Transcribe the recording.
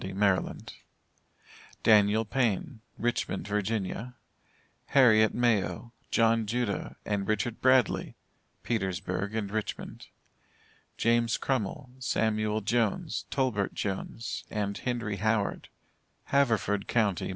Maryland; DANIEL PAYNE, Richmond, Virginia; HARRIET MAYO, JOHN JUDAH, and RICHARD BRADLEY, Petersburg and Richmond; JAMES CRUMMILL, SAMUEL JONES, TOLBERT JONES, and HENRY HOWARD, Haverford Co.